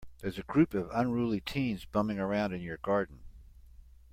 There's a group of unruly teens bumming around in your garden.